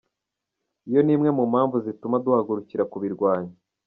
Iyo ni imwe mu mpamvu zituma duhagurukira kubirwanya”.